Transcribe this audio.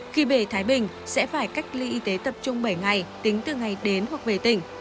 khi về thái bình sẽ phải cách ly y tế tập trung bảy ngày tính từ ngày đến hoặc về tỉnh